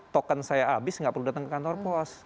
token saya habis tidak perlu datang ke kantor post